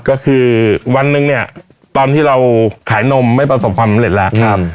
ก็คือวันหนึ่งเนี่ยตอนที่เราขายนมไม่ประสบความสำเร็จแล้ว